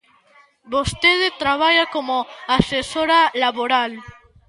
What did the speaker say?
Vostede traballa como asesora laboral.